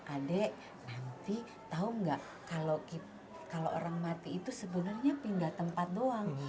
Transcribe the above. adik nanti tahu nggak kalau orang mati itu sebenarnya pindah tempat doang